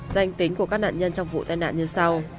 danh tính của các nạn nhân trong vụ tai nạn như sau